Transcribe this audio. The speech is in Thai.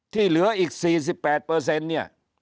ที่เหลืออีกสี่สิบแปดเปอร์เซ็นต์เนี่ย